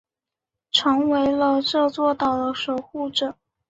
成为了这座岛的守护者。